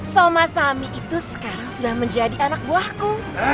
soma sami itu sekarang sudah menjadi anak buahku